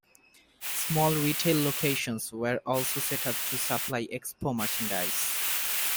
Small retail locations were also set up to supply Expo merchandise.